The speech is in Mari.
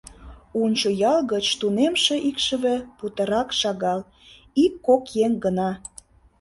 Унчо ял гыч тунемше икшыве путырак шагал — ик-кок еҥ гына.